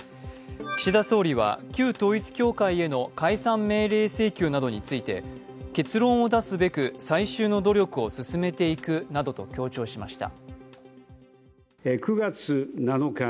岸田総理は旧統一教会への解散命令請求などについて、結論を出すべく最終の努力を進めていくなどと強調しました。